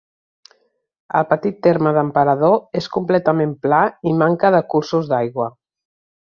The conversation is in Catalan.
El petit terme d'Emperador és completament pla i manca de cursos d'aigua.